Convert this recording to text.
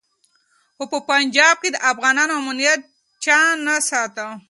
خو په پنجاب کي د افغانانو امنیت چا نه ساته.